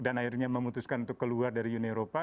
dan akhirnya memutuskan untuk keluar dari uni eropa